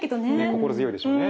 心強いでしょうね。